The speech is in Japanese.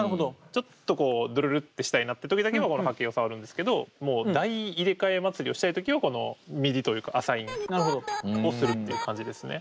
ちょっとこうドゥルルってしたいなって時だけはこの波形を触るんですけどもう大入れ替え祭りをしたい時はこのＭＩＤＩというかアサインをするっていう感じですね。